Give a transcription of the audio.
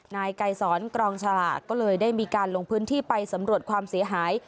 นายไกรสอนกรองฉลากก็เลยได้มีการลงพื้นที่ไปสำรวจความเสียหาย